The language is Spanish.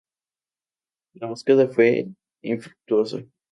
La búsqueda fue infructuosa.